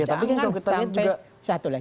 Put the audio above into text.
tapi kalau kita lihat juga